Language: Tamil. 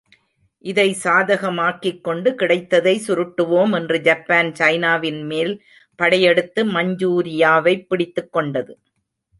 இதை சாதகமாக்கிக்கொண்டு, கிடைத்ததை சுருட்டுவோம் என்று ஜப்பான் சைனாவின் மேல் படையெடுத்து மஞ்சூரியாவைப் பிடித்துக்கொண்டது.